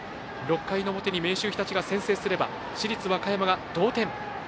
６回の表に明秀日立が先制すれば市立和歌山が同点。